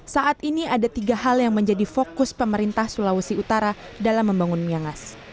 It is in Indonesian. saat ini ada tiga hal yang menjadi fokus pemerintah sulawesi utara dalam membangun miangas